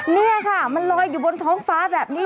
นี่ค่ะมันลอยอยู่บนท้องฟ้าแบบนี้